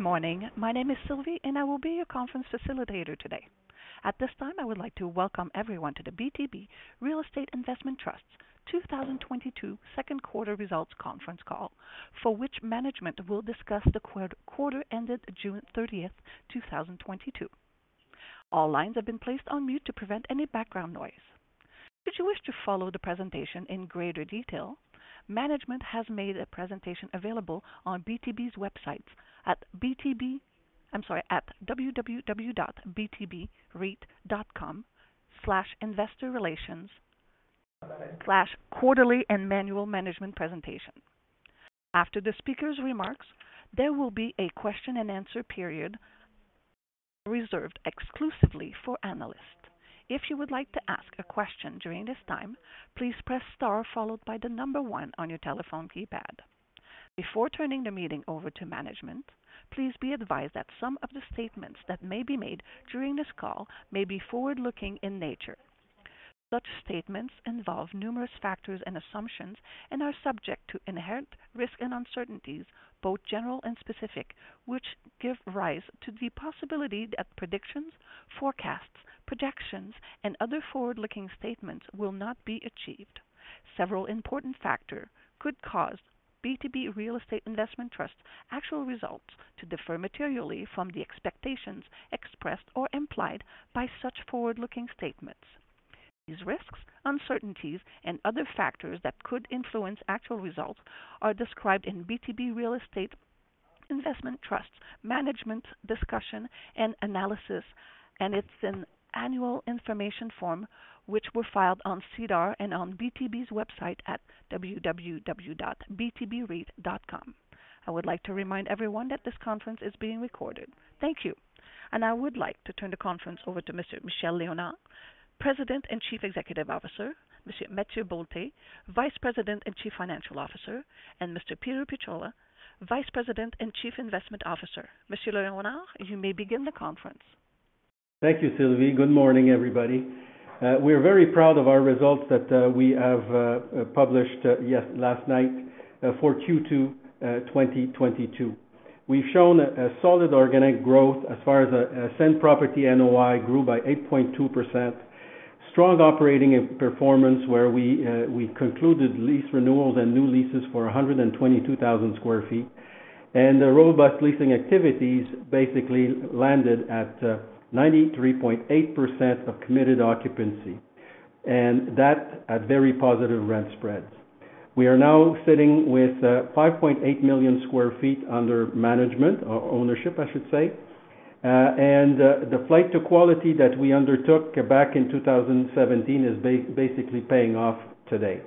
Good morning. My name is Sylvie, and I will be your conference facilitator today. At this time, I would like to welcome everyone to the BTB Real Estate Investment Trust 2022 second quarter results conference call, for which management will discuss the quarter ended June 30th, 2022. All lines have been placed on mute to prevent any background noise. Should you wish to follow the presentation in greater detail, management has made a presentation available on BTB's website at www.btbreit.com/investor relations/quarterlyandannualmanagementpresentation. After the speaker's remarks, there will be a question-and-answer period reserved exclusively for analysts. If you would like to ask a question during this time, please press star followed by the number one on your telephone keypad. Before turning the meeting over to management, please be advised that some of the statements that may be made during this call may be forward-looking in nature. Such statements involve numerous factors and assumptions and are subject to inherent risk and uncertainties, both general and specific, which give rise to the possibility that predictions, forecasts, projections, and other forward-looking statements will not be achieved. Several important factors could cause BTB Real Estate Investment Trust's actual results to differ materially from the expectations expressed or implied by such forward-looking statements. These risks, uncertainties, and other factors that could influence actual results are described in BTB Real Estate Investment Trust's Management Discussion and Analysis, and its Annual Information Form, which were filed on SEDAR and on BTB's website at www.btbreit.com. I would like to remind everyone that this conference is being recorded. Thank you. I would like to turn the conference over to Mr. Michel Léonard, President and Chief Executive Officer, Mr. Mathieu Bolté, Vice President and Chief Financial Officer, and Mr. Peter Picciola, Vice President and Chief Investment Officer. Mr. Léonard, you may begin the conference. Thank you, Sylvie. Good morning, everybody. We are very proud of our results that we have published, yes, last night, for Q2 2022. We've shown a solid organic growth as far as same-property NOI grew by 8.2%. Strong operating performance, where we concluded lease renewals and new leases for 122,000 sq ft. The robust leasing activities basically landed at 93.8% of committed occupancy, and that at very positive rent spreads. We are now sitting with 5.8 million sq ft under management or ownership, I should say. The flight to quality that we undertook back in 2017 is basically paying off today.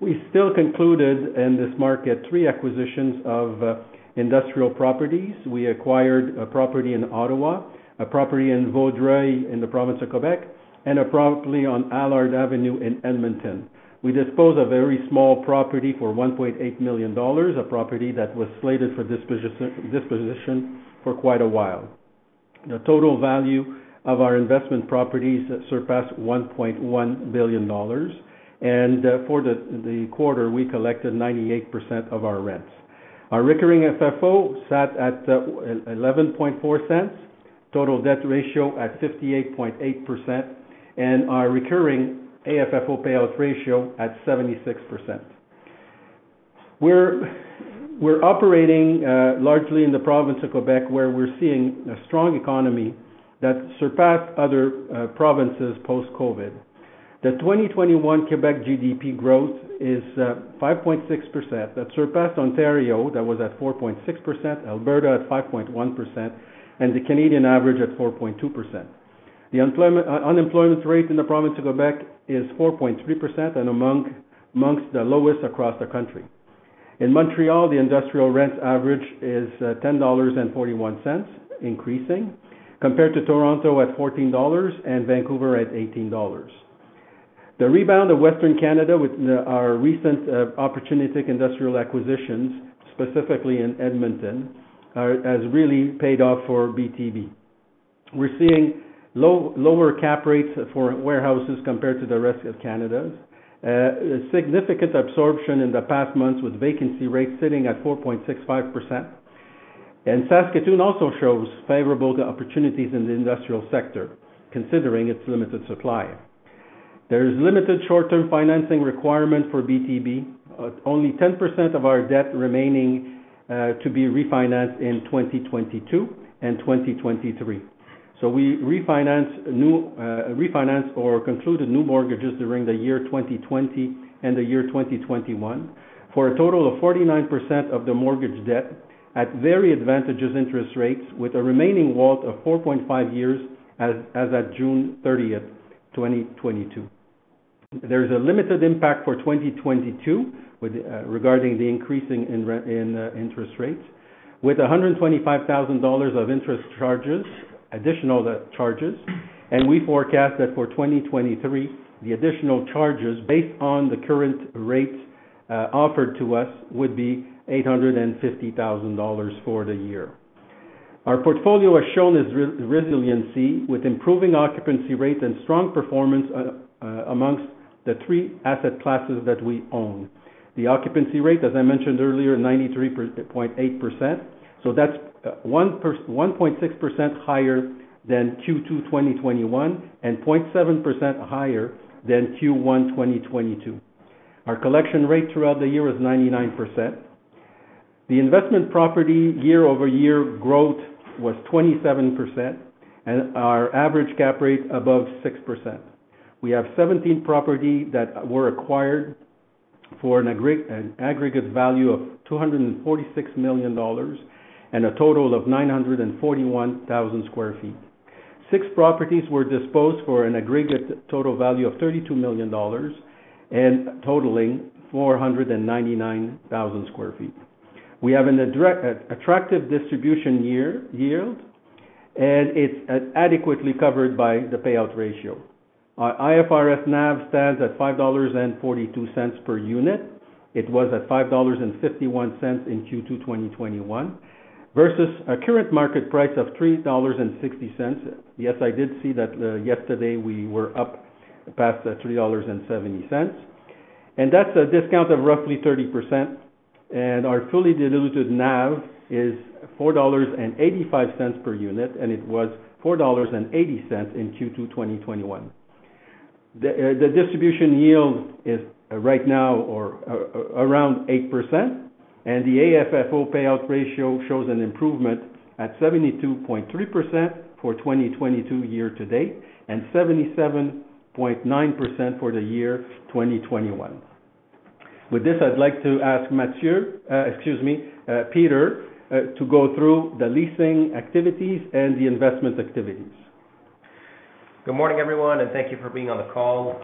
We still concluded in this market three acquisitions of industrial properties. We acquired a property in Ottawa, a property in Vaudreuil, in the province of Quebec, and a property on Allard Avenue in Edmonton. We disposed a very small property for 1.8 million dollars, a property that was slated for disposition for quite a while. The total value of our investment properties surpassed 1.1 billion dollars. For the quarter, we collected 98% of our rents. Our recurring FFO sat at 0.114, total debt ratio at 58.8%, and our recurring AFFO payout ratio at 76%. We're operating largely in the province of Quebec, where we're seeing a strong economy that surpassed other provinces post-COVID. The 2021 Quebec GDP growth is 5.6%. That surpassed Ontario, that was at 4.6%, Alberta at 5.1%, and the Canadian average at 4.2%. The unemployment rate in the province of Quebec is 4.3%, and amongst the lowest across the country. In Montreal, the industrial rent average is 10.41 dollars, increasing, compared to Toronto at 14 dollars and Vancouver at 18 dollars. The rebound of Western Canada with our recent opportunistic industrial acquisitions, specifically in Edmonton, has really paid off for BTB. We're seeing lower cap rates for warehouses compared to the rest of Canada. Significant absorption in the past months with vacancy rates sitting at 4.65%. Saskatoon also shows favorable opportunities in the industrial sector, considering its limited supply. There is limited short-term financing requirement for BTB. Only 10% of our debt remaining to be refinanced in 2022 and 2023. We refinanced or concluded new mortgages during the year 2020 and the year 2021, for a total of 49% of the mortgage debt at very advantageous interest rates with a remaining WALT of 4.5 years As at June 30th, 2022. There is a limited impact for 2022 with regard to the increase in interest rates, with 125,000 dollars of additional interest charges. We forecast that for 2023, the additional charges based on the current rates offered to us would be 850,000 dollars for the year. Our portfolio has shown its resiliency with improving occupancy rates and strong performance amongst the three asset classes that we own. The occupancy rate, as I mentioned earlier, 93.8%. That's 1.6% higher than Q2 2021, and 0.7% higher than Q1 2022. Our collection rate throughout the year is 99%. The investment property year-over-year growth was 27%, and our average cap rate above 6%. We have 17 property that were acquired for an aggregate value of 246 million dollars and a total of 941,000 sq ft. Six properties were disposed for an aggregate total value of 32 million dollars and totaling 499,000 sq ft. We have an attractive distribution yield, and it's adequately covered by the payout ratio. Our IFRS NAV stands at 5.42 dollars per unit. It was at 5.51 dollars in Q2 2021 versus a current market price of 3.60 dollars. Yes, I did see that, yesterday we were up past 3.70 dollars, and that's a discount of roughly 30%. Our fully diluted NAV is 4.85 dollars per unit, and it was 4.80 dollars in Q2 2021. The distribution yield is right now around 8%, and the AFFO payout ratio shows an improvement at 72.3% for 2022 year-to-date and 77.9% for the year 2021. With this, I'd like to ask Mathieu, excuse me, Peter, to go through the leasing activities and the investment activities. Good morning, everyone, and thank you for being on the call.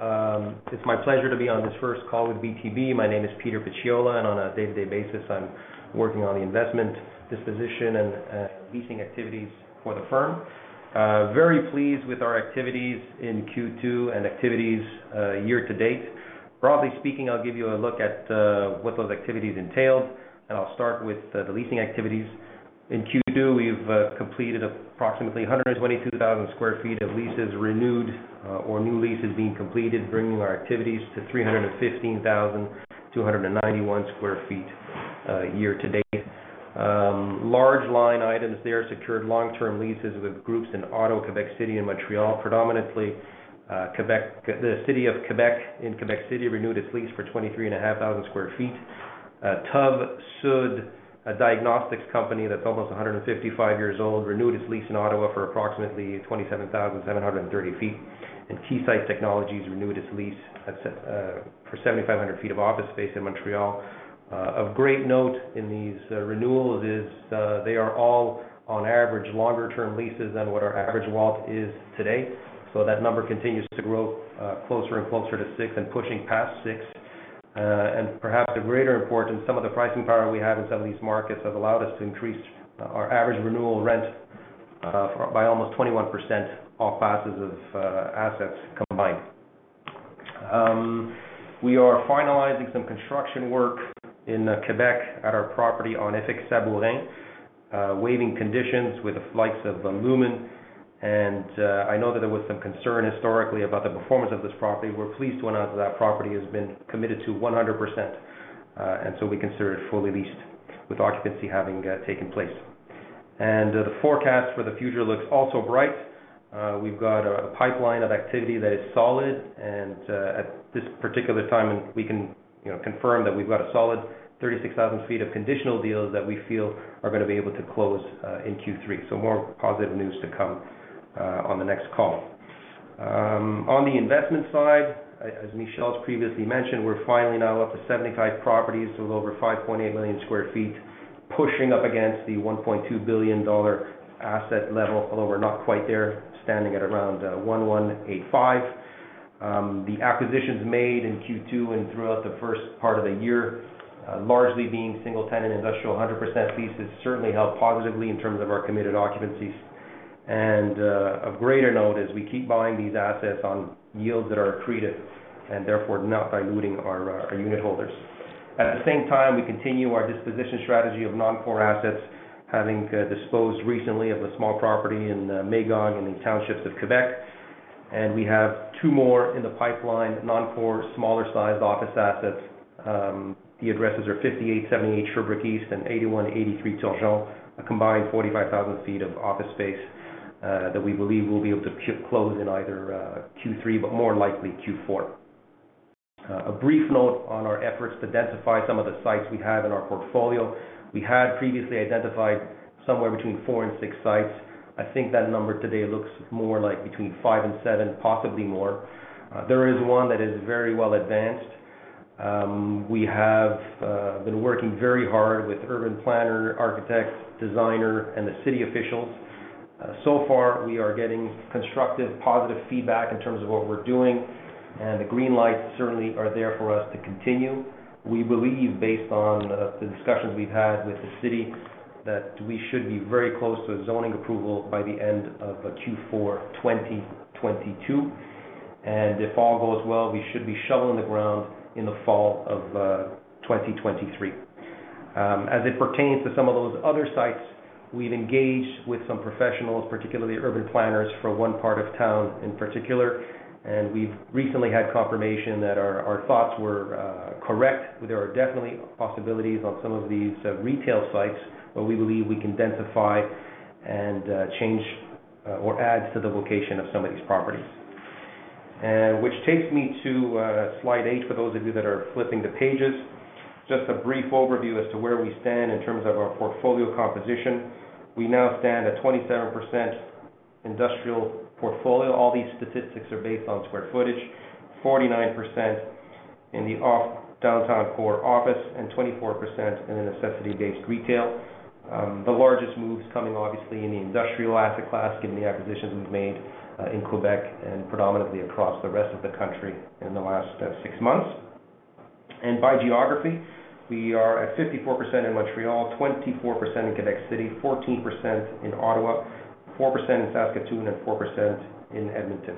It's my pleasure to be on this first call with BTB. My name is Peter Picciola, and on a day-to-day basis, I'm working on the investment, disposition, and leasing activities for the firm. Very pleased with our activities in Q2 and activities year-to-date. Broadly speaking, I'll give you a look at what those activities entailed, and I'll start with the leasing activities. In Q2, we've completed approximately 122,000 sq ft of leases renewed or new leases being completed, bringing our activities to 315,291 sq ft year-to-date. Large line items there secured long-term leases with groups in Ottawa, Quebec City, and Montreal, predominantly Quebec. The City of Québec in Québec City renewed its lease for 23,500 sq ft. TÜV SÜD, a diagnostics company that's almost 155 years old, renewed its lease in Ottawa for approximately 27,730 sq ft, and Keysight Technologies renewed its lease for 7,500 sq ft of office space in Montreal. Of great note in these renewals is they are all on average longer-term leases than what our average WALT is today. That number continues to grow closer and closer to six and pushing past six. Perhaps of greater importance, some of the pricing power we have in some of these markets have allowed us to increase our average renewal rent by almost 21%, all classes of assets combined. We are finalizing some construction work in Quebec at our property on F-X Sabourin, waiving conditions with the likes of Lumen. I know that there was some concern historically about the performance of this property. We're pleased to announce that property has been committed to 100%, and so we consider it fully leased with occupancy having taken place. The forecast for the future looks also bright. We've got a pipeline of activity that is solid, and at this particular time, and we can, you know, confirm that we've got a solid 36,000 ft of conditional deals that we feel are gonna be able to close in Q3. More positive news to come on the next call. On the investment side, as Michel's previously mentioned, we're finally now up to 75 properties with over 5.8 million sq ft, pushing up against the 1.2 billion dollar asset level, although we're not quite there, standing at around 1.185 billion. The acquisitions made in Q2 and throughout the first part of the year largely being single-tenant industrial, 100% leases certainly help positively in terms of our committed occupancies. Of greater note is we keep buying these assets on yields that are accretive and therefore not diluting our unit holders. At the same time, we continue our disposition strategy of non-core assets, having disposed recently of a small property in Magog in the townships of Quebec. We have two more in the pipeline, non-core, smaller sized office assets. The addresses are 5878 Sherbrooke East and 8183 Turgeon, a combined 45,000 ft of office space that we believe we'll be able to chip close in either Q3 but more likely Q4. A brief note on our efforts to densify some of the sites we have in our portfolio. We had previously identified somewhere between four and six sites. I think that number today looks more like between five and seven, possibly more. There is one that is very well advanced. We have been working very hard with urban planner, architect, designer, and the city officials. So far, we are getting constructive, positive feedback in terms of what we're doing, and the green lights certainly are there for us to continue. We believe, based on the discussions we've had with the city, that we should be very close to a zoning approval by the end of Q4 2022. If all goes well, we should be shoveling the ground in the fall of 2023. As it pertains to some of those other sites, we've engaged with some professionals, particularly urban planners for one part of town in particular, and we've recently had confirmation that our thoughts were correct. There are definitely possibilities on some of these retail sites where we believe we can densify and change or add to the location of some of these properties. Which takes me to slide eight for those of you that are flipping the pages. Just a brief overview as to where we stand in terms of our portfolio composition. We now stand at 27% industrial portfolio. All these statistics are based on square footage. 49% in the office, downtown core office and 24% in the necessity-based retail. The largest moves coming obviously in the industrial asset class, given the acquisitions we've made in Quebec and predominantly across the rest of the country in the last six months. By geography, we are at 54% in Montreal, 24% in Quebec City, 14% in Ottawa, 4% in Saskatoon, and 4% in Edmonton.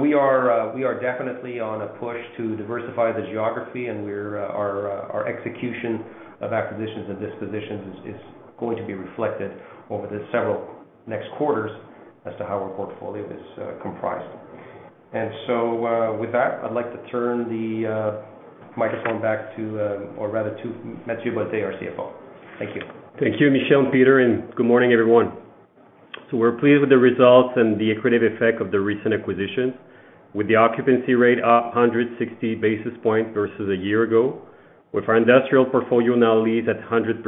We are definitely on a push to diversify the geography, and our execution of acquisitions and dispositions is going to be reflected over the several next quarters as to how our portfolio is comprised. With that, I'd like to turn the microphone back to, or rather to Mathieu Bolté, our CFO. Thank you. Thank you, Michel and Peter, and good morning, everyone. We're pleased with the results and the accretive effect of the recent acquisitions. With the occupancy rate up 160 basis points versus a year ago, with our industrial portfolio now leased at 100%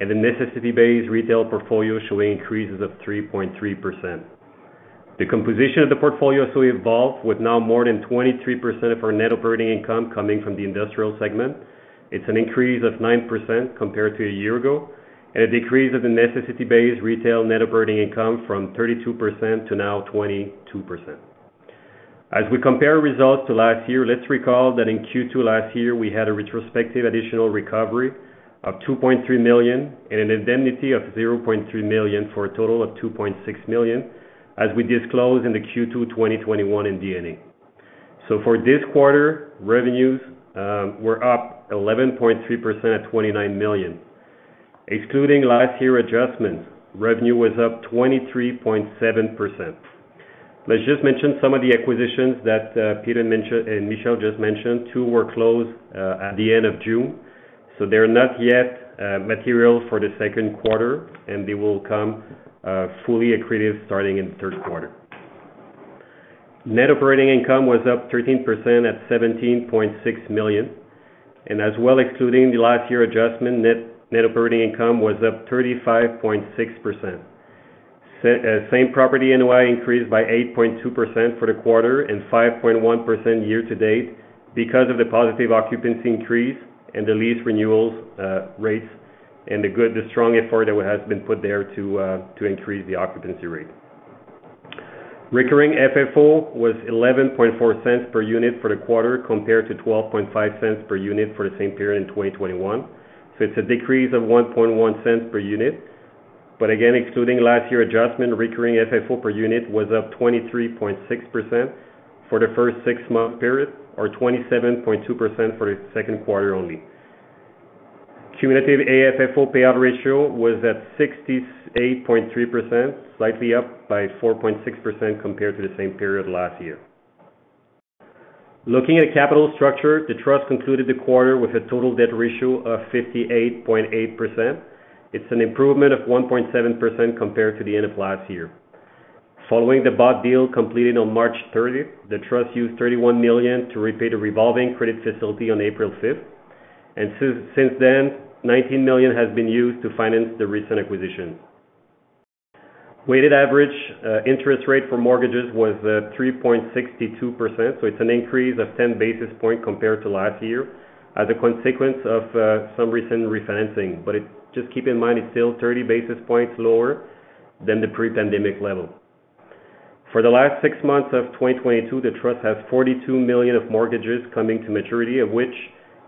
and the necessity-based retail portfolio showing increases of 3.3%. The composition of the portfolio has also evolved, with now more than 23% of our net operating income coming from the industrial segment. It's an increase of 9% compared to a year ago, and a decrease of the necessity-based retail net operating income from 32% to now 22%. As we compare results to last year, let's recall that in Q2 last year, we had a retrospective additional recovery of 2.3 million and an indemnity of 0.3 million for a total of 2.6 million, as we disclosed in the Q2 2021 MD&A. For this quarter, revenues were up 11.3% at 29 million. Excluding last year adjustments, revenue was up 23.7%. Let's just mention some of the acquisitions that Peter mentioned and Michel just mentioned. Two were closed at the end of June, so they're not yet material for the second quarter, and they will come fully accretive starting in the third quarter. Net operating income was up 13% at 17.6 million. As well, excluding the last year adjustment, net operating income was up 35.6%. Same property NOI increased by 8.2% for the quarter and 5.1% year to date because of the positive occupancy increase and the lease renewals, rates and the good, the strong effort that has been put there to increase the occupancy rate. Recurring FFO was 0.114 per unit for the quarter, compared to 0.125 per unit for the same period in 2021. It's a decrease of 0.011 per unit. Again, excluding last year adjustment, recurring FFO per unit was up 23.6% for the first six-month period, or 27.2% for the second quarter only. Cumulative AFFO payout ratio was at 68.3%, slightly up by 4.6% compared to the same period last year. Looking at capital structure, the trust concluded the quarter with a total debt ratio of 58.8%. It's an improvement of 1.7% compared to the end of last year. Following the bought deal completed on March 30th, the trust used 31 million to repay the revolving credit facility on April 5th. Since then, 19 million has been used to finance the recent acquisition. Weighted average interest rate for mortgages was 3.62%. It's an increase of 10 basis points compared to last year as a consequence of some recent refinancing. Just keep in mind, it's still 30 basis points lower than the pre-pandemic level. For the last six months of 2022, the trust has 42 million of mortgages coming to maturity, of which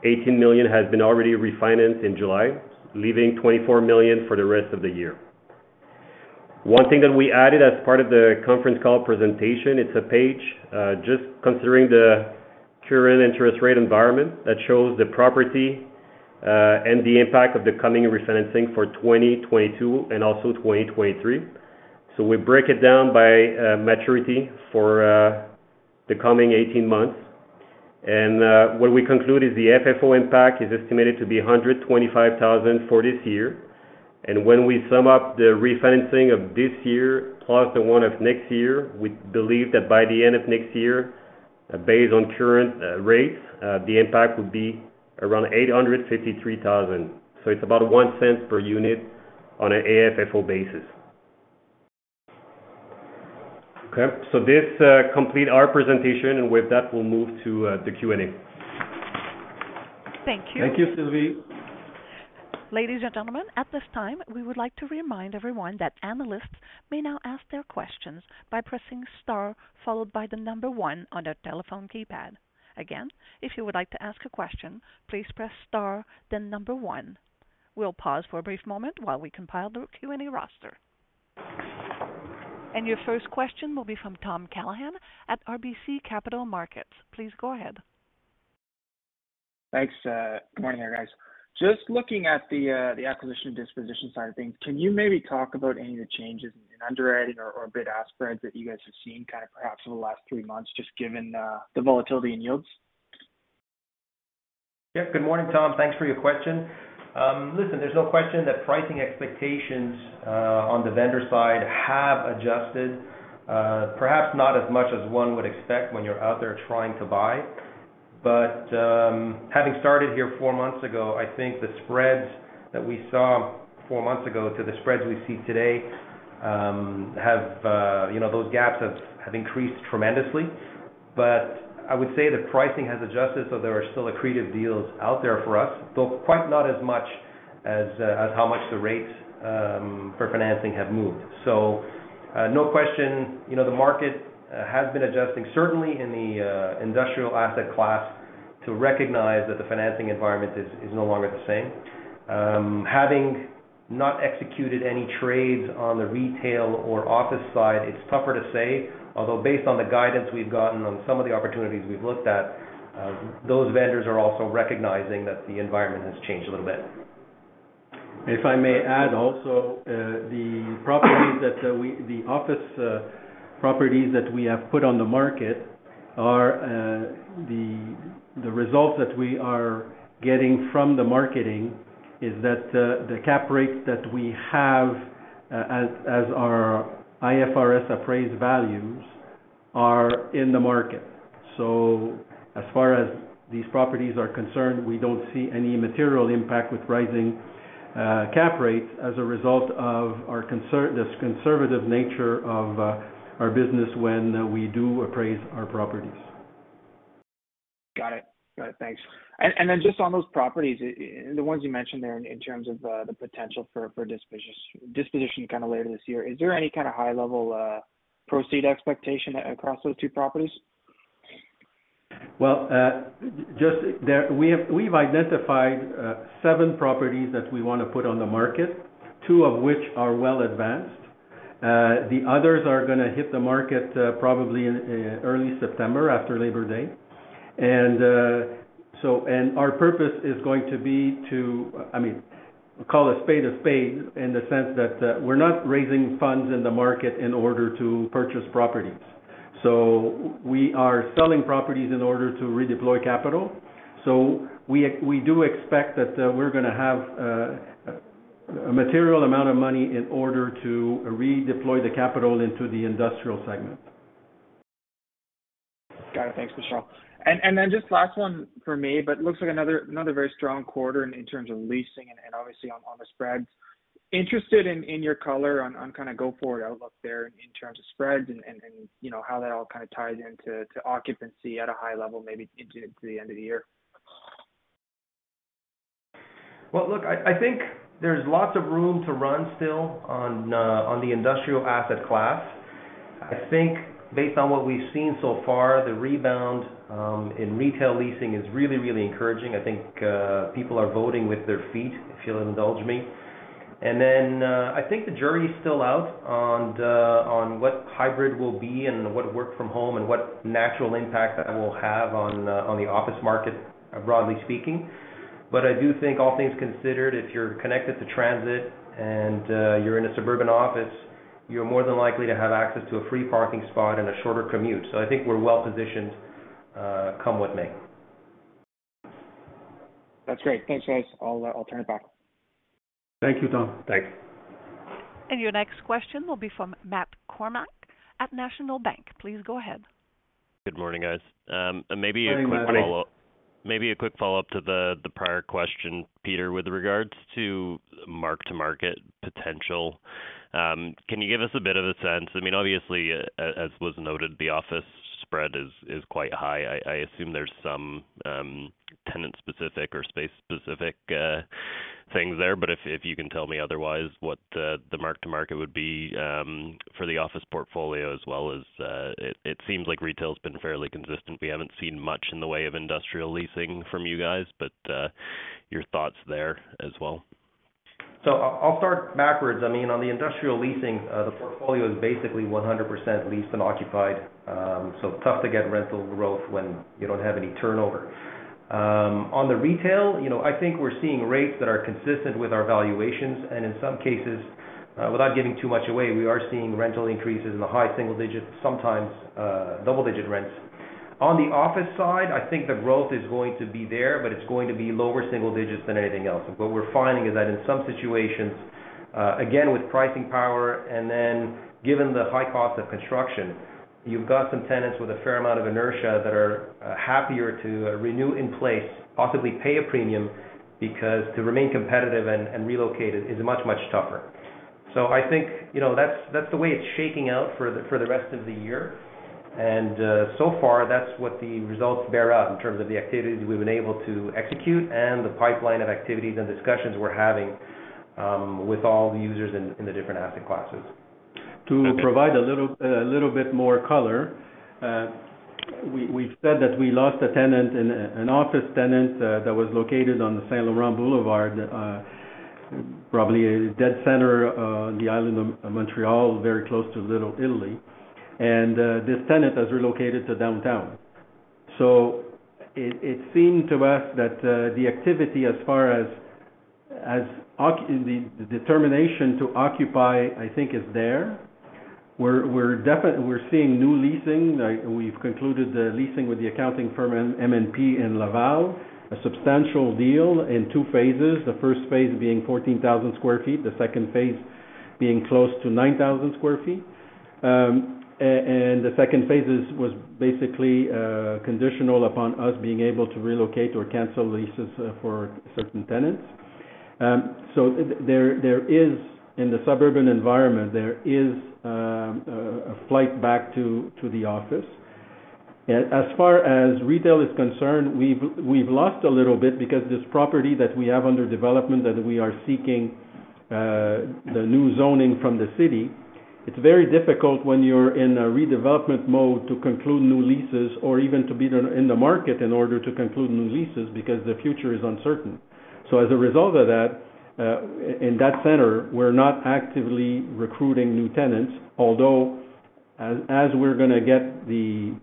18 million has been already refinanced in July, leaving 24 million for the rest of the year. One thing that we added as part of the conference call presentation, it's a page just considering the current interest rate environment that shows the property and the impact of the coming refinancing for 2022 and also 2023. We break it down by maturity for the coming 18 months. What we conclude is the FFO impact is estimated to be 125,000 for this year. When we sum up the refinancing of this year plus the one of next year, we believe that by the end of next year, based on current rates, the impact would be around 853,000. It's about 0.01 per unit on an AFFO basis. Okay. This completes our presentation, and with that, we'll move to the Q&A. Thank you. Thank you, Sylvie. Ladies and gentlemen, at this time, we would like to remind everyone that analysts may now ask their questions by pressing star followed by the number one on their telephone keypad. Again, if you would like to ask a question, please press star then number one. We'll pause for a brief moment while we compile the Q&A roster. Your first question will be from Tom Callaghan at RBC Capital Markets. Please go ahead. Thanks. Good morning there, guys. Just looking at the acquisition disposition side of things, can you maybe talk about any of the changes in underwriting or bid-ask spreads that you guys have seen kind of perhaps over the last three months, just given the volatility in yields? Yeah. Good morning, Tom. Thanks for your question. Listen, there's no question that pricing expectations on the vendor side have adjusted, perhaps not as much as one would expect when you're out there trying to buy. Having started here four months ago, I think the spreads that we saw four months ago to the spreads we see today, you know, those gaps have increased tremendously. I would say the pricing has adjusted, so there are still accretive deals out there for us, though not quite as much as how much the rates for financing have moved. No question, you know, the market has been adjusting, certainly in the industrial asset class to recognize that the financing environment is no longer the same. Having not executed any trades on the retail or office side, it's tougher to say. Although based on the guidance we've gotten on some of the opportunities we've looked at, those vendors are also recognizing that the environment has changed a little bit. If I may add also, the office properties that we have put on the market are the results that we are getting from the marketing is that the cap rate that we have as our IFRS appraised values are in the market. As far as these properties are concerned, we don't see any material impact with rising cap rates as a result of the conservative nature of our business when we do appraise our properties. Got it. Thanks. Then just on those properties, the ones you mentioned there in terms of the potential for disposition kind of later this year, is there any kind of high-level proceeds expectation across those two properties? We've identified seven properties that we wanna put on the market, two of which are well advanced. The others are gonna hit the market probably in early September after Labor Day. Our purpose is going to be to, I mean, call a spade a spade in the sense that we're not raising funds in the market in order to purchase properties. We are selling properties in order to redeploy capital. We do expect that we're gonna have a material amount of money in order to redeploy the capital into the industrial segment. Got it. Thanks, Michel. Then just last one for me, but looks like another very strong quarter in terms of leasing and obviously on the spreads. Interested in your color on kind of go forward outlook there in terms of spreads and, you know, how that all kind of ties into occupancy at a high level, maybe into the end of the year. I think there's lots of room to run still on the industrial asset class. I think based on what we've seen so far, the rebound in retail leasing is really, really encouraging. I think people are voting with their feet, if you'll indulge me. I think the jury is still out on what hybrid will be and what work from home and what natural impact that will have on the office market, broadly speaking. I do think, all things considered, if you're connected to transit and you're in a suburban office, you're more than likely to have access to a free parking spot and a shorter commute. I think we're well positioned, come what may. That's great. Thanks, guys. I'll turn it back. Thank you, Tom. Thanks. Your next question will be from Matt Kornack at National Bank. Please go ahead. Good morning, guys. Maybe a quick follow-up. Good morning. Good morning. Maybe a quick follow-up to the prior question, Peter, with regards to mark-to-market potential. Can you give us a bit of a sense? I mean, obviously, as was noted, the office spread is quite high. I assume there's some tenant-specific or space-specific things there. But if you can tell me otherwise what the mark-to-market would be for the office portfolio as well as it seems like retail's been fairly consistent. We haven't seen much in the way of industrial leasing from you guys, but your thoughts there as well. I'll start backwards. I mean, on the industrial leasing, the portfolio is basically 100% leased and occupied. Tough to get rental growth when you don't have any turnover. On the retail, you know, I think we're seeing rates that are consistent with our valuations, and in some cases, without giving too much away, we are seeing rental increases in the high single digits, sometimes double-digit rents. On the office side, I think the growth is going to be there, but it's going to be lower single digits than anything else. What we're finding is that in some situations, again, with pricing power and then given the high cost of construction, you've got some tenants with a fair amount of inertia that are happier to renew in place, possibly pay a premium because to remain competitive and relocated is much, much tougher. I think, you know, that's the way it's shaking out for the rest of the year. So far, that's what the results bear out in terms of the activities we've been able to execute and the pipeline of activities and discussions we're having with all the users in the different asset classes. To provide a little bit more color, we've said that we lost a tenant, an office tenant, that was located on the Saint-Laurent Boulevard, probably dead center on the island of Montreal, very close to Little Italy. This tenant has relocated to downtown. It seemed to us that the activity as far as the determination to occupy, I think is there. We're definitely seeing new leasing. Like, we've concluded the leasing with the accounting firm MNP in Laval, a substantial deal in two phases, the first phase being 14,000 sq ft, the second phase being close to 9,000 sq ft. The second phase was basically conditional upon us being able to relocate or cancel leases for certain tenants. There is. In the suburban environment, there is a flight back to the office. As far as retail is concerned, we've lost a little bit because this property that we have under development that we are seeking the new zoning from the city, it's very difficult when you're in a redevelopment mode to conclude new leases or even to be in the market in order to conclude new leases because the future is uncertain. As a result of that, in that center, we're not actively recruiting new tenants, although as we're gonna get the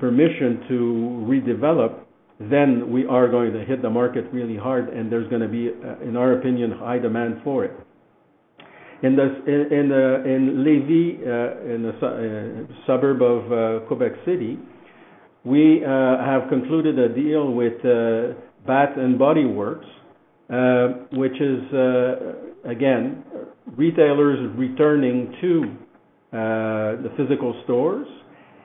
permission to redevelop, then we are going to hit the market really hard and there's gonna be, in our opinion, high demand for it. in the suburb of Quebec City, we have concluded a deal with Bath & Body Works, which is again retailers returning to the physical stores.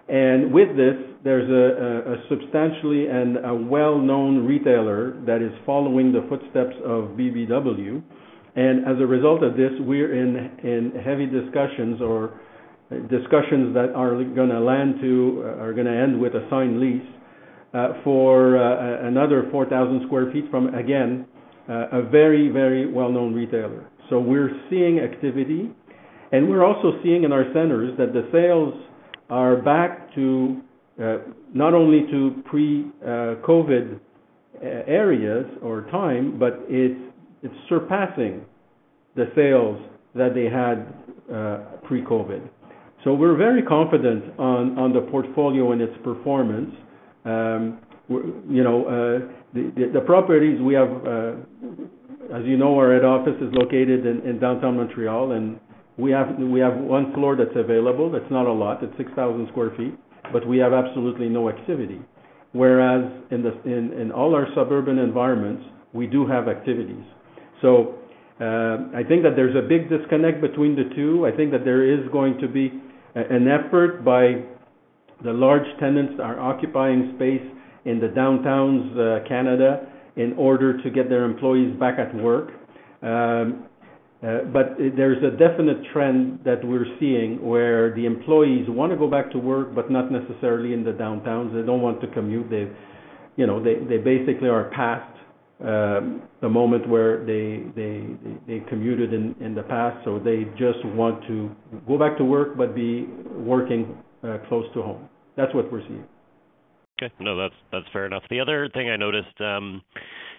With this, there's a substantial and a well-known retailer that is following the footsteps of BBW. As a result of this, we're in heavy discussions that are gonna end with a signed lease for another 4,000 sq ft from again a very well-known retailer. We're seeing activity, and we're also seeing in our centers that the sales are back to not only pre-COVID era or times, but it's surpassing the sales that they had pre-COVID. We're very confident on the portfolio and its performance. You know, the properties we have, as you know, our head office is located in downtown Montreal, and we have one floor that's available. That's not a lot. It's 6,000 sq ft, but we have absolutely no activity. Whereas in all our suburban environments, we do have activities. I think that there's a big disconnect between the two. I think that there is going to be an effort by the large tenants that are occupying space in the downtowns, Canada, in order to get their employees back at work. There's a definite trend that we're seeing where the employees wanna go back to work, but not necessarily in the downtowns. They don't want to commute. They, you know, they basically are past the moment where they commuted in the past, so they just want to go back to work but be working close to home. That's what we're seeing. Okay. No, that's fair enough. The other thing I noticed,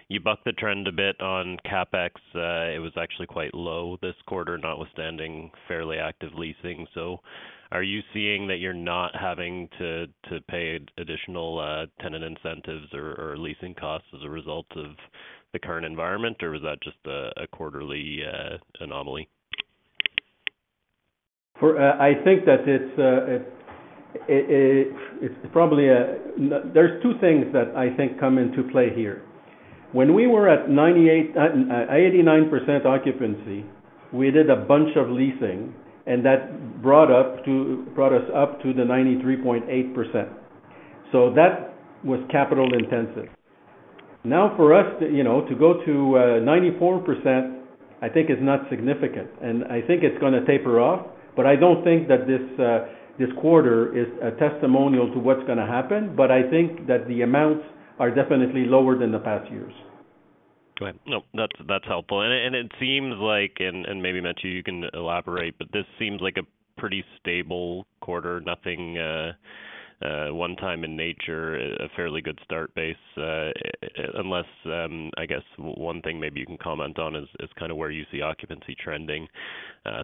you bucked the trend a bit on CapEx. It was actually quite low this quarter, notwithstanding fairly active leasing. Are you seeing that you're not having to pay additional tenant incentives or leasing costs as a result of the current environment, or was that just a quarterly anomaly? I think that it's probably. There's two things that I think come into play here. When we were at 89% occupancy, we did a bunch of leasing, and that brought us up to the 93.8%. So that was capital intensive. Now for us to, you know, to go to 94%, I think is not significant. I think it's gonna taper off, but I don't think that this quarter is a testimonial to what's gonna happen. I think that the amounts are definitely lower than the past years. Go ahead. No, that's helpful. It seems like maybe Mathieu you can elaborate, but this seems like a pretty stable quarter. Nothing one-time in nature, a fairly good starting base. Unless I guess one thing maybe you can comment on is kind of where you see occupancy trending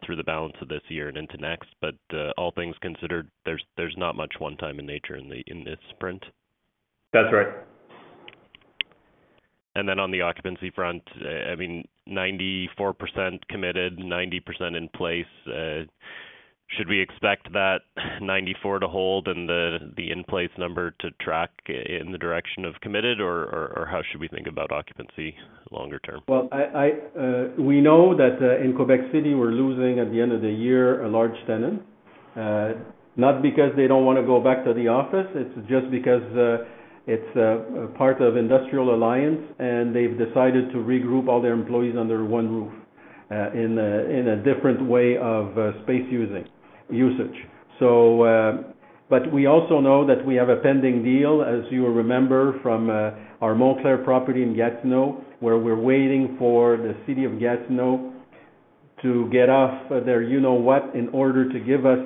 through the balance of this year and into next. But all things considered, there's not much one-time in nature in this print. That's right. On the occupancy front, I mean, 94% committed, 90% in place. Should we expect that 94% to hold and the in-place number to track in the direction of committed or how should we think about occupancy longer term? Well, we know that in Quebec City, we're losing at the end of the year a large tenant. Not because they don't wanna go back to the office, it's just because it's part of Industrial Alliance, and they've decided to regroup all their employees under one roof in a different way of space usage. We also know that we have a pending deal, as you will remember, from our Montclair property in Gatineau, where we're waiting for the city of Gatineau to get off their you know what, in order to give us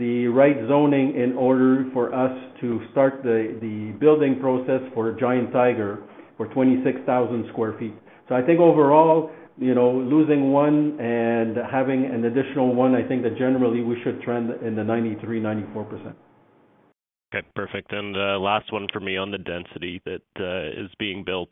the right zoning in order for us to start the building process for Giant Tiger for 26,000 sq ft. I think overall, you know, losing one and having an additional one, I think that generally we should trend in the 93%-94%. Okay, perfect. Last one for me on the density that is being built.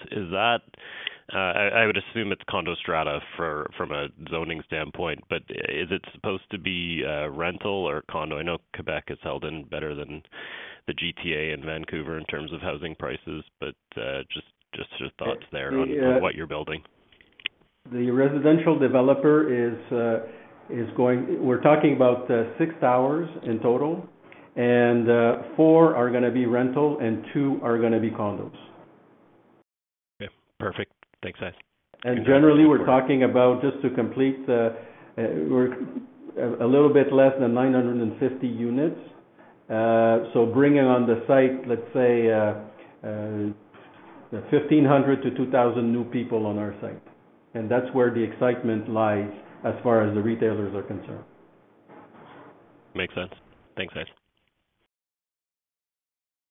I would assume it's condo strata from a zoning standpoint, but is it supposed to be rental or condo? I know Quebec has held up better than the GTA in Vancouver in terms of housing prices. Just your thoughts there on what you're building. The residential developer is going. We're talking about six towers in total, and four are gonna be rental and two are gonna be condos. Okay. Perfect. Thanks, guys. Generally, we're talking about just to complete, we're a little bit less than 950 units. Bringing on the site, let's say, 1,500-2,000 new people on our site, and that's where the excitement lies as far as the retailers are concerned. Makes sense. Thanks, guys.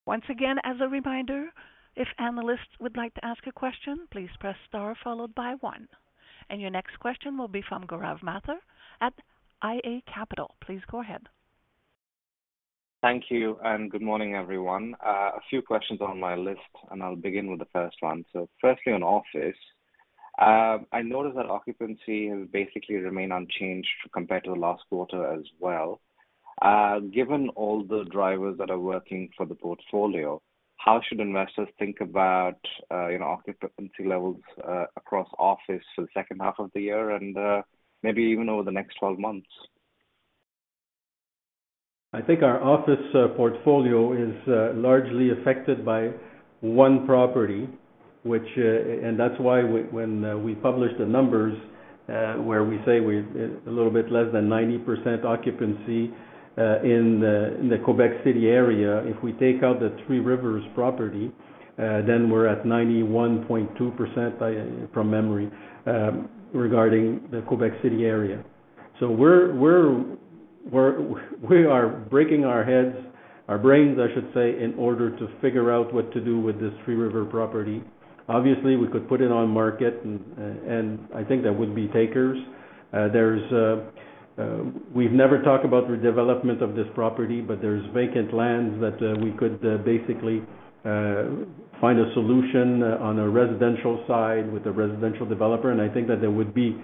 Once again, as a reminder, if analysts would like to ask a question, please press star followed by one. Your next question will be from Gaurav Mathur at iA Capital. Please go ahead. Thank you, and good morning, everyone. A few questions on my list, and I'll begin with the first one. Firstly, on office. I noticed that occupancy has basically remained unchanged compared to the last quarter as well. Given all the drivers that are working for the portfolio, how should investors think about, you know, occupancy levels, across office for the second half of the year and, maybe even over the next 12 months? I think our office portfolio is largely affected by one property. That's why, when we publish the numbers, where we say we're a little bit less than 90% occupancy in the Quebec City area. If we take out the Three Rivers property, then we're at 91.2% from memory regarding the Quebec City area. We're breaking our heads, our brains, I should say, in order to figure out what to do with this Three Rivers property. Obviously, we could put it on market and I think there would be takers. We've never talked about the development of this property, but there's vacant lands that we could basically find a solution on a residential side with a residential developer, and I think that there would be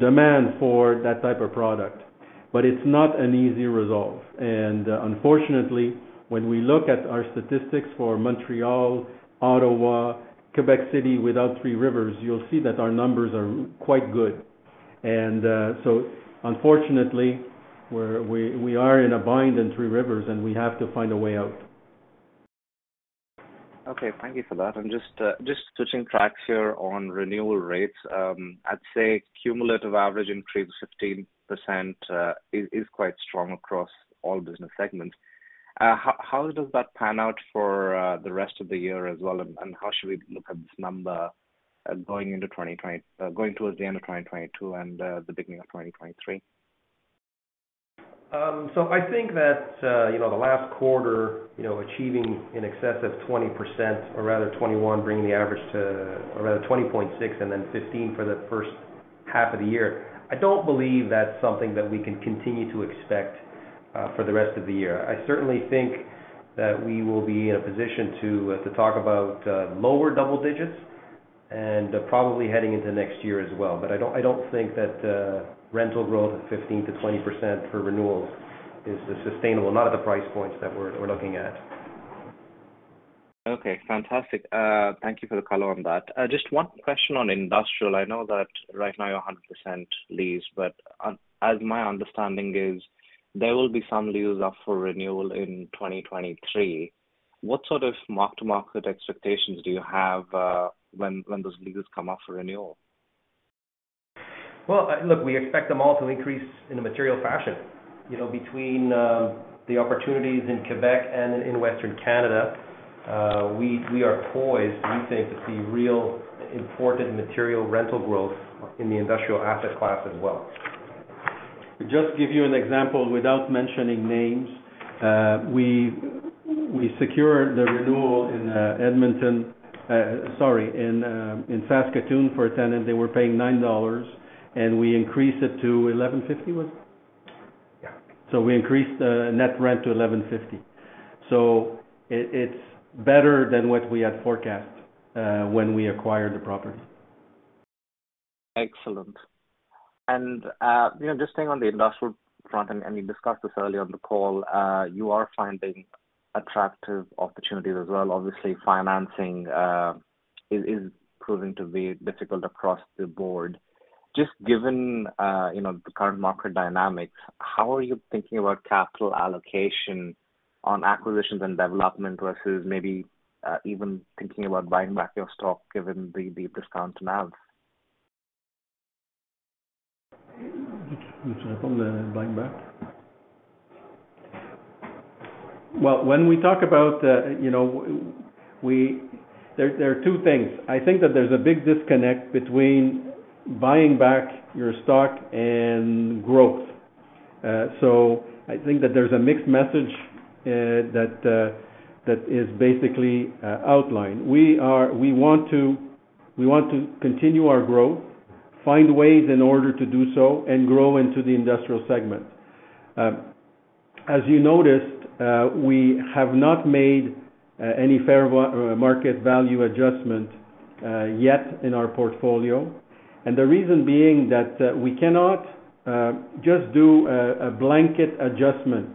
demand for that type of product. It's not an easy resolve. Unfortunately, when we look at our statistics for Montreal, Ottawa, Quebec City, without Trois-Rivières, you'll see that our numbers are quite good. Unfortunately, we are in a bind in Trois-Rivières, and we have to find a way out. Okay. Thank you for that. Just switching tracks here on renewal rates, I'd say cumulative average increase of 15% is quite strong across all business segments. How does that pan out for the rest of the year as well, and how should we look at this number going towards the end of 2022 and the beginning of 2023? I think that, you know, the last quarter, you know, achieving in excess of 20% or rather 21%, bringing the average to around 20.6% and then 15% for the first half of the year, I don't believe that's something that we can continue to expect for the rest of the year. I certainly think that we will be in a position to to talk about lower double digits and probably heading into next year as well. I don't think that rental growth of 15%-20% for renewals is sustainable, not at the price points that we're looking at. Okay, fantastic. Thank you for the color on that. Just one question on industrial. I know that right now you're 100% leased, but as my understanding is there will be some leases up for renewal in 2023. What sort of mark-to-market expectations do you have when those leases come up for renewal? Well, look, we expect them all to increase in a material fashion. You know, between the opportunities in Québec and in Western Canada, we are poised, we think, to see real important material rental growth in the industrial asset class as well. Just give you an example without mentioning names. We secured the renewal in Saskatoon for a tenant. They were paying 9 dollars, and we increased it to 11.50, was it? Yeah. We increased net rent to 11.50. It's better than what we had forecast when we acquired the property. Excellent. You know, just staying on the industrial front, and we discussed this earlier on the call. You are finding attractive opportunities as well. Obviously, financing is proving to be difficult across the board. Just given you know, the current market dynamics, how are you thinking about capital allocation on acquisitions and development versus maybe even thinking about buying back your stock given the discount now? Well, when we talk about, there are two things. I think that there's a big disconnect between buying back your stock and growth. I think that there's a mixed message that is basically outlined. We want to continue our growth, find ways in order to do so and grow into the industrial segment. As you noticed, we have not made any fair value or market value adjustment yet in our portfolio. The reason being that we cannot just do a blanket adjustment,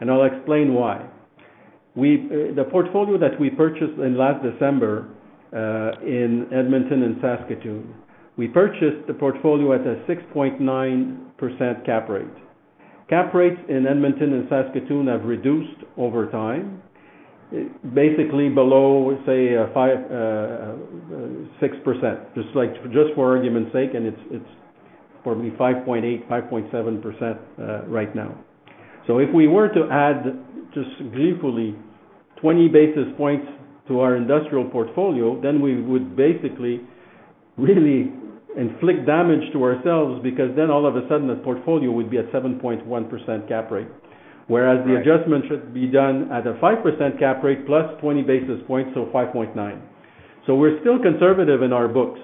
and I'll explain why. The portfolio that we purchased in last December in Edmonton and Saskatoon, we purchased the portfolio at a 6.9% cap rate. Cap rates in Edmonton and Saskatoon have reduced over time, basically below, say, 5%-6%, just for argument's sake, and it's probably 5.8%, 5.7% right now. If we were to add just gleefully 20 basis points to our industrial portfolio, then we would basically really inflict damage to ourselves because then all of a sudden the portfolio would be at 7.1% cap rate. Whereas the adjustment should be done at a 5% cap rate plus 20 basis points, so 5.9%. We're still conservative in our books.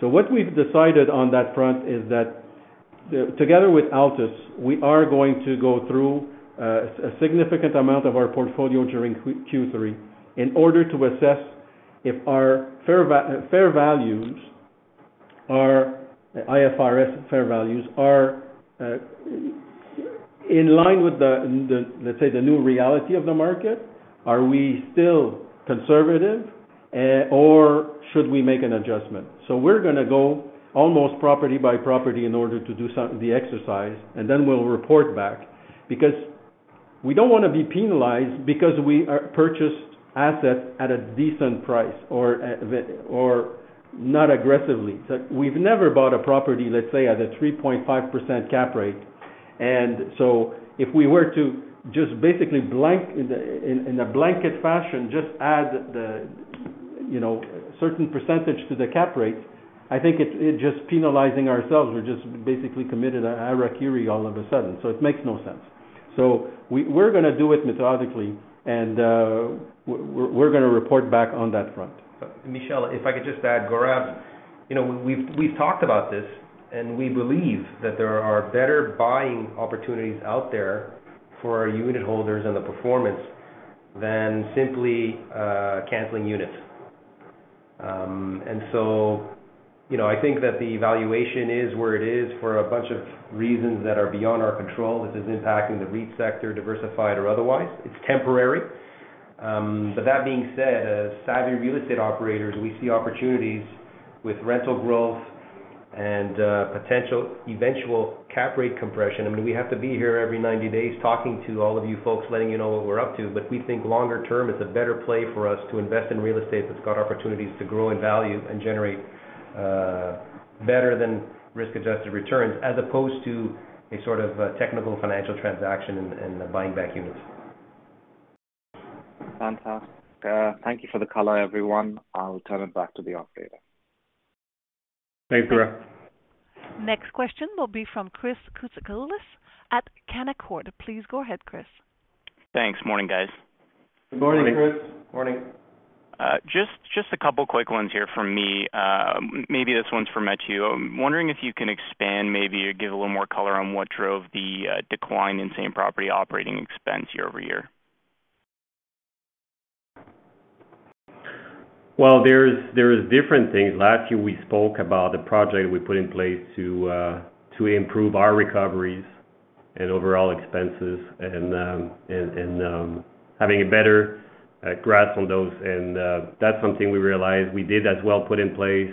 What we've decided on that front is that, together with Altus, we are going to go through a significant amount of our portfolio during Q3 in order to assess if our IFRS fair values are in line with the, let's say, new reality of the market. Are we still conservative, or should we make an adjustment? We're gonna go almost property by property in order to do the exercise, and then we'll report back. Because we don't wanna be penalized because we purchased assets at a decent price or not aggressively. We've never bought a property, let's say, at a 3.5% cap rate. If we were to just basically in a blanket fashion, just add the, you know, certain percentage to the cap rate, I think it's just penalizing ourselves. We're just basically committed a hara-kiri all of a sudden, so it makes no sense. We're gonna do it methodically, and we're gonna report back on that front. Michel, if I could just add, Gaurav. You know, we've talked about this, and we believe that there are better buying opportunities out there for our unitholders and the performance than simply canceling units. You know, I think that the valuation is where it is for a bunch of reasons that are beyond our control. This is impacting the REIT sector, diversified or otherwise. It's temporary. That being said, as savvy real estate operators, we see opportunities with rental growth and potential eventual cap rate compression. I mean, we have to be here every 90 days talking to all of you folks, letting you know what we're up to. We think longer-term, it's a better play for us to invest in real estate that's got opportunities to grow in value and generate better-than risk-adjusted returns, as opposed to a sort of technical financial transaction and buying back units. Fantastic. Thank you for the color, everyone. I'll turn it back to the operator. Thanks, Gaurav. Next question will be from Chris Koutsikaloudis at Canaccord. Please go ahead, Chris. Thanks. Morning, guys. Good morning, Chris. Morning. Just a couple quick ones here from me. Maybe this one's for Mathieu. I'm wondering if you can expand, maybe give a little more color on what drove the decline in same-property operating expense year-over-year. Well, there is different things. Last year, we spoke about the project we put in place to improve our recoveries and overall expenses and having a better grasp on those. That's something we realized. We did as well put in place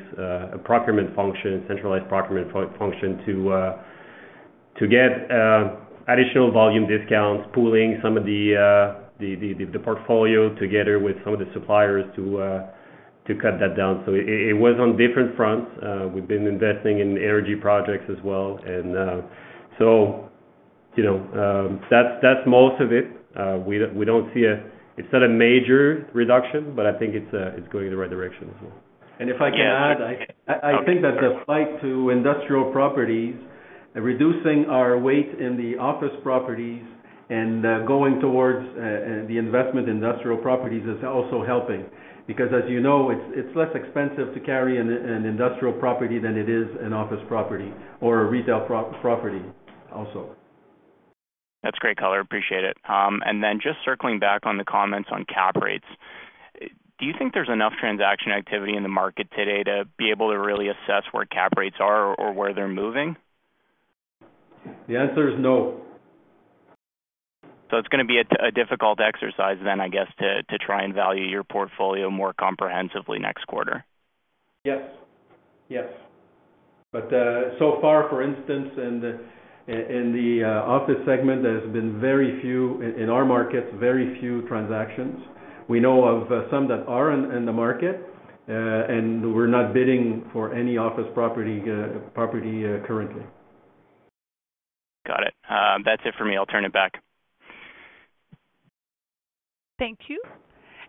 a procurement function, centralized procurement function to get additional volume discounts, pooling some of the portfolio together with some of the suppliers to cut that down. It was on different fronts. We've been investing in energy projects as well. You know, that's most of it. It's not a major reduction, but I think it's going in the right direction as well. If I can add, I think that the flight to industrial properties, reducing our weight in the office properties and going towards the investment industrial properties is also helping. Because as you know, it's less expensive to carry an industrial property than it is an office property or a retail property also. That's great color. Appreciate it. Just circling back on the comments on cap rates. Do you think there's enough transaction activity in the market today to be able to really assess where cap rates are or where they're moving? The answer is no. It's gonna be a difficult exercise then, I guess, to try and value your portfolio more comprehensively next quarter. Yes. Yes. So far, for instance, in the office segment, there's been very few in our markets, very few transactions. We know of some that are in the market, and we're not bidding for any office property currently. Got it. That's it for me. I'll turn it back. Thank you.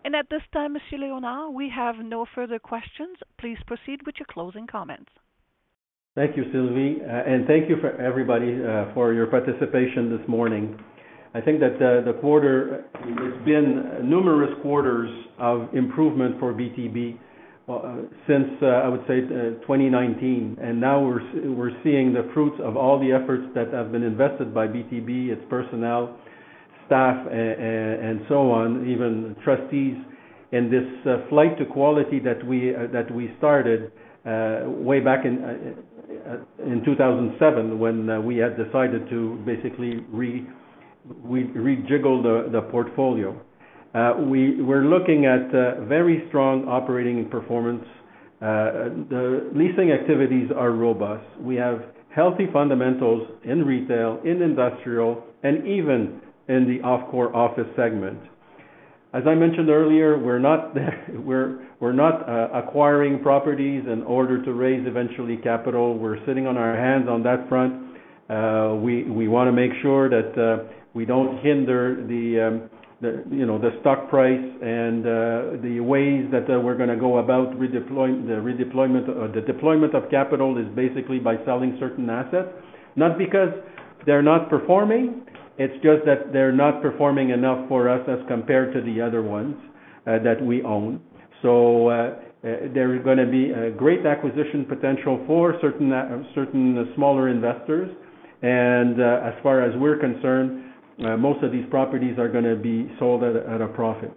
At this time, Mr. Léonard, we have no further questions. Please proceed with your closing comments. Thank you, Sylvie. Thank you for everybody for your participation this morning. I think that the quarter, it's been numerous quarters of improvement for BTB since I would say 2019. Now we're seeing the fruits of all the efforts that have been invested by BTB, its personnel, staff, and so on, even trustees. This flight to quality that we started way back in 2007 when we had decided to basically rejiggle the portfolio. We're looking at very strong operating performance. The leasing activities are robust. We have healthy fundamentals in retail, in industrial, and even in the off-core office segment. As I mentioned earlier, we're not acquiring properties in order to raise eventually capital. We're sitting on our hands on that front. We wanna make sure that we don't hinder, you know, the stock price and the ways that we're gonna go about the deployment of capital is basically by selling certain assets. Not because they're not performing, it's just that they're not performing enough for us as compared to the other ones that we own. There is gonna be a great acquisition potential for certain smaller investors. As far as we're concerned, most of these properties are gonna be sold at a profit.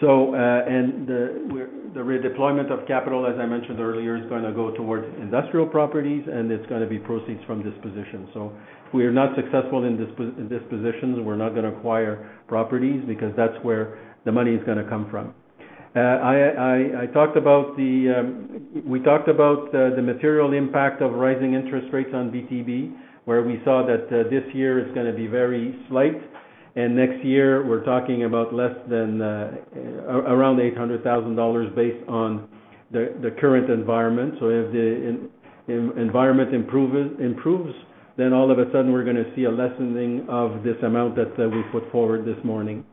The redeployment of capital, as I mentioned earlier, is gonna go towards industrial properties, and it's gonna be proceeds from disposition. If we are not successful in dispositions, we're not gonna acquire properties because that's where the money is gonna come from. We talked about the material impact of rising interest rates on BTB, where we saw that this year is gonna be very slight. Next year, we're talking about less than around 800,000 dollars based on the current environment. If the environment improves, then all of a sudden we're gonna see a lessening of this amount that we put forward this morning.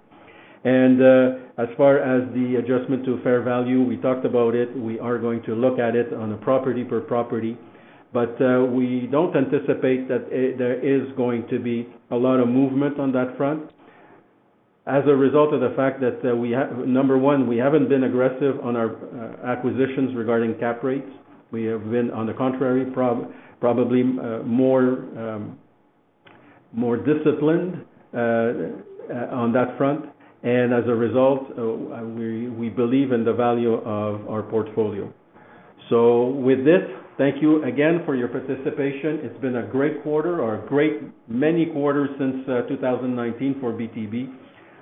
As far as the adjustment to fair value, we talked about it, we are going to look at it on a property per property. We don't anticipate that there is going to be a lot of movement on that front as a result of the fact that we have number one, we haven't been aggressive on our acquisitions regarding cap rates. We have been, on the contrary, probably more disciplined on that front. As a result, we believe in the value of our portfolio. With this, thank you again for your participation. It's been a great quarter or a great many quarters since 2019 for BTB.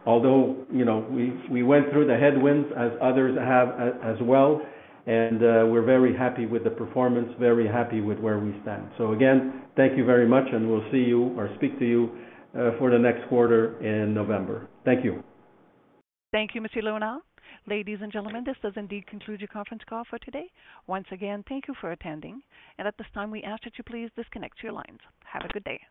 Although, you know, we went through the headwinds as others have as well, and we're very happy with the performance, very happy with where we stand. Again, thank you very much, and we'll see you or speak to you for the next quarter in November. Thank you. Thank you, Mr. Léonard. Ladies and gentlemen, this does indeed conclude your conference call for today. Once again, thank you for attending. At this time, we ask that you please disconnect your lines. Have a good day.